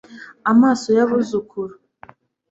amaso y'abuzukuru